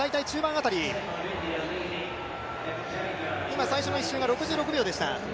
今、最初の１周が６６秒でした。